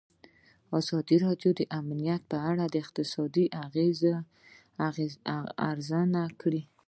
ازادي راډیو د امنیت په اړه د اقتصادي اغېزو ارزونه کړې.